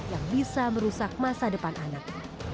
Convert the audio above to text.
yang bisa merusak masa depan anak